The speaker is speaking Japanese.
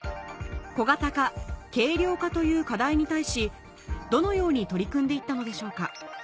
小型化・軽量化という課題に対しどのように取り組んで行ったのでしょうか？